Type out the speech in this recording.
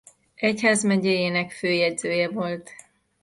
Egyházmegyéjének főjegyzője volt.